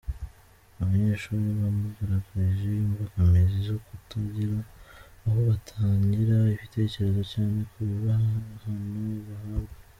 Abanyeshuli bamugaragarije imbogamizi zo kutagira aho batangira ibitekerezo cyane ku bihano bahabwa.